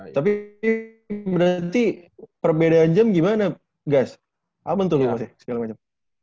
tapi berarti perbedaan jam gimana gas apa bentuknya uasnya segala macem